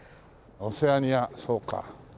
オセアニアそうか。